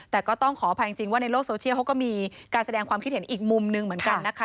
แต่ก็ต้องขออภัยจริงว่าในโลกโซเชียลเขาก็มีการแสดงความคิดเห็นอีกมุมหนึ่งเหมือนกันนะคะ